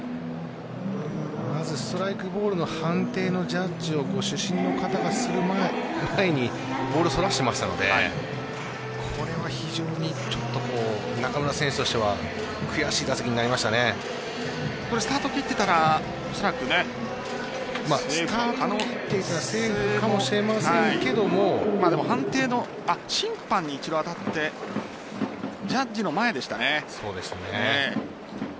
まずストライク、ボールの判定のジャッジを主審の方がする前にボールそらしていましたのでこれは非常に中村選手としてはスタートを切っていたらスタートを切っていたらセーフかもしれませんけども審判に一度当たってジャッジの前でしたね。